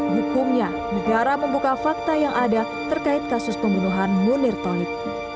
hukumnya negara membuka fakta yang ada terkait kasus pembunuhan munir tolik